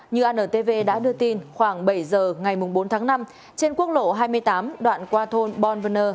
như antv đã đưa tin khoảng bảy giờ ngày bốn tháng năm trên quốc lộ hai mươi tám đoạn qua thôn bon verner